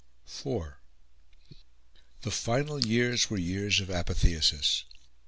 IV The final years were years of apotheosis.